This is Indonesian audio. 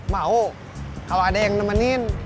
mau kalau ada yang nemenin